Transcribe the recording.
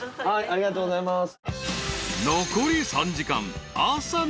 ありがとうございます。